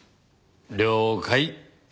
了解！